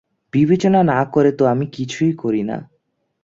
বিবেচনা না করে তো আমি কিছুই করি না।